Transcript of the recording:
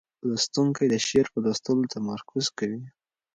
لوستونکی د شعر په لوستلو تمرکز کوي.